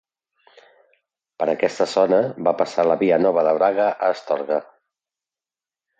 Per aquesta zona va passar la Via Nova de Braga a Astorga.